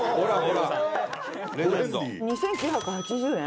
「２９８０円？」